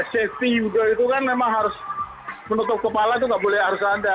safety judo itu kan memang harus menutup kepala itu nggak boleh harus ada